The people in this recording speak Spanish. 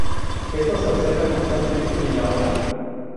Esto se observa constantemente en la obra.